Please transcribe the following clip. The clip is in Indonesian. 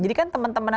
jadi kan teman teman